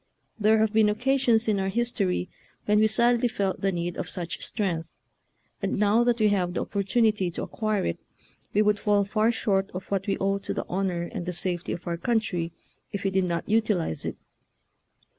There have been occasions in our history when we sadly felt the need of such strength, and now that we have the opportunity to acquire it, we would fall far short of what we owe to the honor and the safety of our country if we did not utilize it.